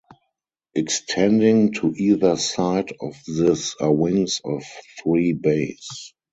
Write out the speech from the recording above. Extending to either side of this are wings of three bays.